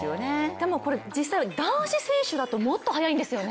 でも実際、男子選手だともっと速いんですよね。